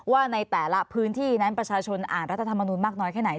ว่าในแต่ละพื้นที่นั้นประชาชนอ่านรัฐธรรมนุนมากน้อยแค่ไหน